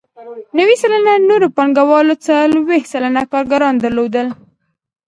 نوي سلنه نورو پانګوالو څلوېښت سلنه کارګران درلودل